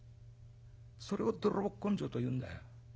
それを泥棒根性と言うんだよ。